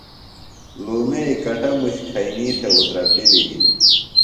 لُومئیۡ کٹموش کھئِنی تھےۡ اُترپِلیۡ ہنیۡ